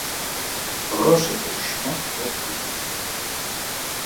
Грошай было шмат сот тысяч.